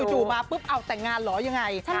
มาปุ๊บเอาแต่งงานเหรอยังไง